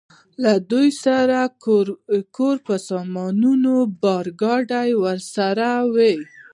له دوی سره د کور په سامانونو بار، ګاډۍ ورسره وې.